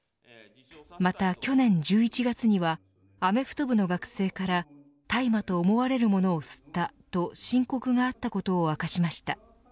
また、去年１１月にはアメフト部の学生から大麻と思われるものを吸ったと申告があったことを明かしました。